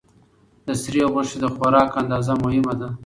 د سرې غوښې د خوراک اندازه مهمه ده.